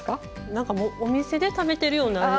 なんかもうお店で食べてるような味。